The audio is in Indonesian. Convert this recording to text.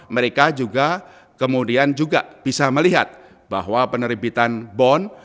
mereka juga kemudian juga bisa melihat bahwa penerbitan bond